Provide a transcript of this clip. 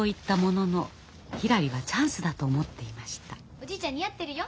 おじいちゃん似合ってるよ。